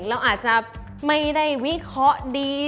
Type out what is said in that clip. เราอาจจะไม่ได้วิเคราะห์ดี